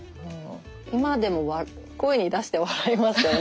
今でも声に出して笑いますよね。